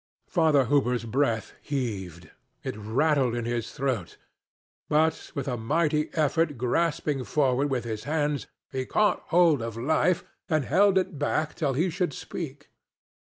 Father Hooper's breath heaved: it rattled in his throat; but, with a mighty effort grasping forward with his hands, he caught hold of life and held it back till he should speak.